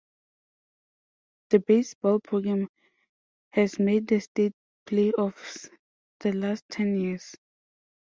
The baseball program has made the state playoffs the last ten years.